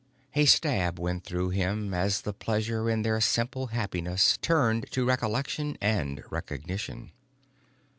A stab went through him as the pleasure in their simple happiness turned to recollection and recognition.